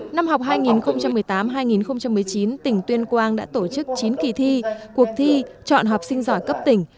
năm học hai nghìn một mươi tám hai nghìn một mươi chín tỉnh tuyên quang đã tổ chức chín kỳ thi cuộc thi chọn học sinh giỏi cấp tỉnh